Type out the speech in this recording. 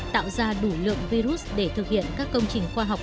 tạo ra đủ lượng virus để thực hiện các công trình khoa học